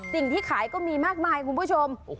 สิ่งที่ขายก็มีมากมายคุณผู้ชม